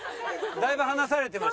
だいぶ離されてましたね